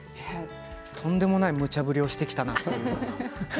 とんでもないむちゃ振りしてきたなって。